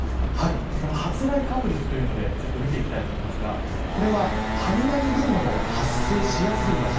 発雷確率というので見ていきたいと思いますがこれは雷雲の発生しやすい場所。